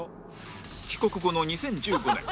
帰国後の２０１５年